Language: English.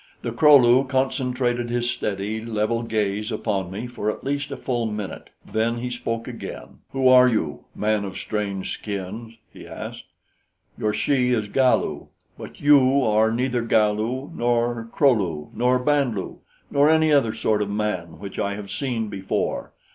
The Kro lu concentrated his steady, level gaze upon me for at least a full minute. Then he spoke again. "Who are you, man of strange skins?" he asked. "Your she is Galu; but you are neither Galu nor Kro lu nor Band lu, nor any other sort of man which I have seen before.